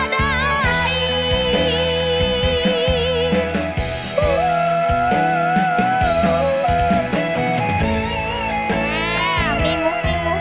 สิ้นกับดักทานคนเดียว